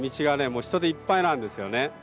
もう人でいっぱいなんですよね